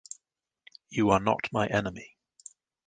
You are not my enemy.